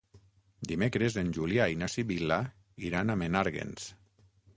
Dimecres en Julià i na Sibil·la iran a Menàrguens.